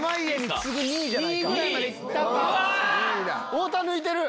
太田抜いてる！